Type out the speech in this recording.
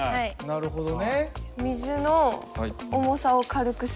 なるほど。